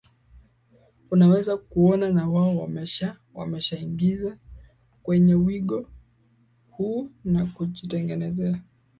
unaweza kuona na wao wamesha wamesha wameshajiigiza kwenye wigo huu na kujitengenezea